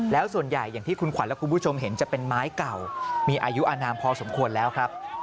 แล้วส่วนใหญ่อย่างที่คุณขวัญและคุณผู้ชมเห็นจะเป็นไม้เก่ามีอายุอนามพอสมควรแล้วครับ